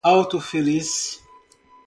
Alto Feliz